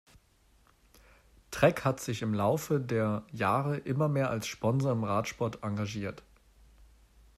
Trek hat sich im Laufe der Jahre immer mehr als Sponsor im Radsport engagiert.